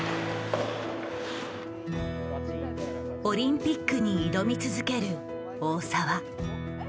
オリンピックに挑み続ける大澤。